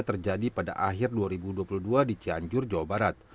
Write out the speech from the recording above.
terjadi pada akhir dua ribu dua puluh dua di cianjur jawa barat